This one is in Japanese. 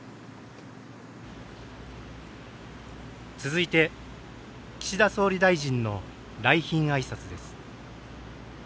続いて岸田総理大臣の来賓あいさつです。